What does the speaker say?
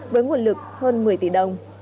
với nguồn lực hơn một mươi tỷ đồng